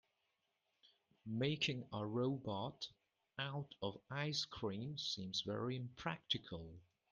Making a robot out of ice cream seems very impractical.